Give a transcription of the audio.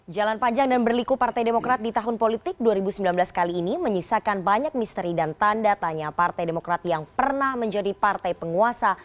jalan panjang dan berliku partai demokrat di tahun politik dua ribu sembilan belas kali ini menyisakan banyak misteri dan tanda tanya partai demokrat yang pernah menjadi partai penguasa